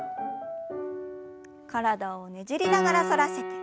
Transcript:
体をねじりながら反らせて。